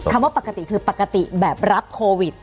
ว่าปกติคือปกติแบบรับโควิด